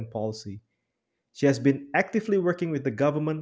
dia telah bekerja aktif dengan pemerintah